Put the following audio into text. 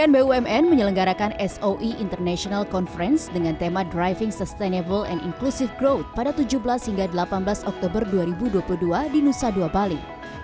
bumn menyelenggarakan soe international conference dengan tema driving sustainable and inclusive growth pada tujuh belas hingga delapan belas oktober dua ribu dua puluh dua di nusa dua bali